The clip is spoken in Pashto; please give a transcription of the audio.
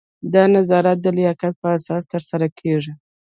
دا نظارت د لیاقت په اساس ترسره کیږي.